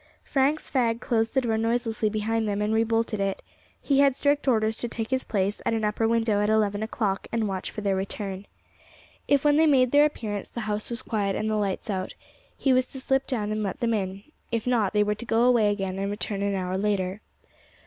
Frank's fag closed the door noiselessly behind them and rebolted it; he had strict orders to take his place at an upper window at eleven o'clock and watch for their return. If when they made their appearance the house was quiet and the lights out, he was to slip down and let them in; if not, they were to go away again and return an hour later.